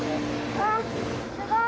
あっ、すごい。